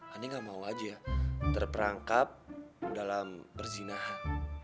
aneh enggak mau aja terperangkap dalam berzinahan